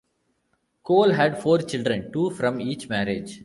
Cole had four children, two from each marriage.